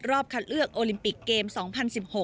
รอบคำเลือกโอลิมปิกเกมส์๒๐๑๖